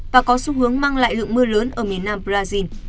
và có xu hướng mang lại lượng mưa lớn ở miền nam brazil